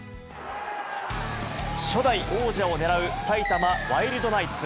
初代王者をねらう埼玉ワイルドナイツ。